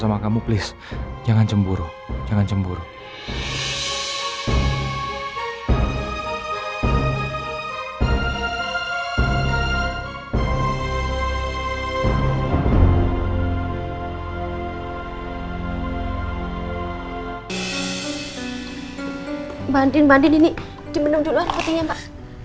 cuman beneran duluan pentingnya pak